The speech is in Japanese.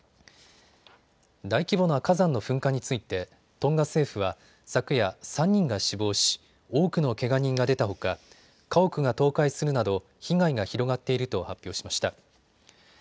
大規模な火山の噴火についてトンガ政府は昨夜、３人が死亡し多くのけが人が出たほか家屋が倒壊するなど被害が広がっていると発表しました。